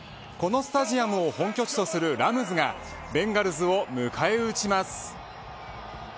このスタジアムを本拠地とするラムズがベンガルズを迎え撃ちます。